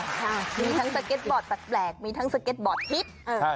ค่ะมีทั้งสเก็ตบอร์ดแปลกมีทั้งสเก็ตบอร์ดพิษ